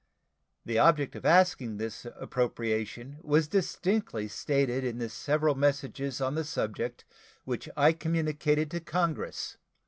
The object of asking this appropriation was distinctly stated in the several messages on the subject which I communicated to Congress.